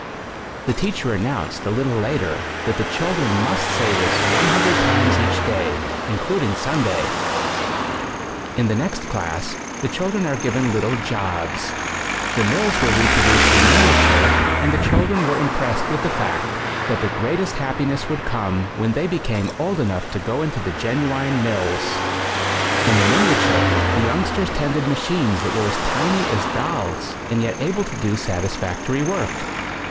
The teacher announced, a little later, that the children must say this 100 times each day, including Sunday. In the next class, the children are given little jobs. The mills were repro duced in miniature and the children were impressed with the fact that the greatest happiness would come when they became old enough to go into the genuine mills. In the miniature the youngsters tended machines that were as tiny as dolls and yet able to do satisfactory work.